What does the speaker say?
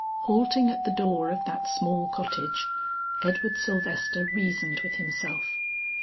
Halting at the door of that small cottage, Edward Sylvester reasoned with himself.